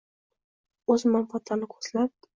o‘z manfaatlarini ko‘zlab